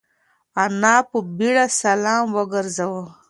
انا په بيړه سلام وگرځاوه.